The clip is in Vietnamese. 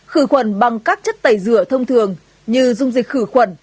khử khuẩn bằng các chất tẩy rửa thông thường như dung dịch khử khuẩn